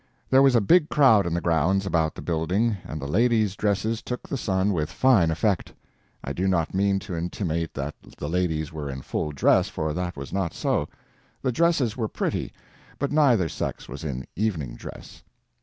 There was a big crowd in the grounds about the building, and the ladies' dresses took the sun with fine effect. I do not mean to intimate that the ladies were in full dress, for that was not so. The dresses were pretty, but neither sex was in evening dress.